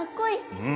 うん